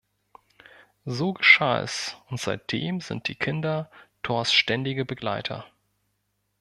So geschah es und seitdem sind die Kinder Thors ständige Begleiter.